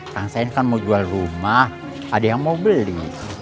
kang sain kan mau jual rumah ada yang mau beli